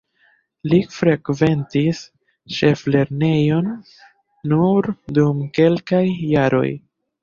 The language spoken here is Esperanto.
Li frekventis ĉeflernejon nur dum kelkaj jaroj.